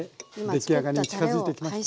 出来上がりに近づいてきました。